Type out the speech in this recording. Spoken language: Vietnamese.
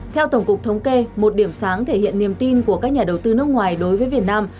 theo tổng cục thống kê một điểm sáng thể hiện niềm tin của các nhà đầu tư nước ngoài đối với việt nam